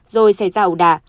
rồi xảy ra ẩu đả